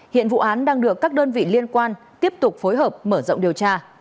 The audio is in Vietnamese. hiện vụ án đang được các đơn vị liên quan tiếp tục phối hợp mở rộng điều tra